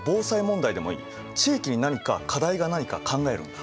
地域に何か課題がないか考えるんだ。